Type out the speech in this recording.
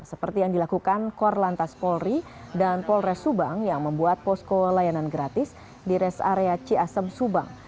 seperti yang dilakukan korlantas polri dan polres subang yang membuat posko layanan gratis di rest area ciasem subang